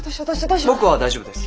僕は大丈夫です。